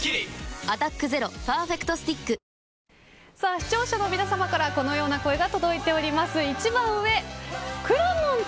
視聴者の皆さまからこのような声が届いています。